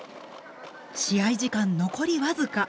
試合時間残り僅か。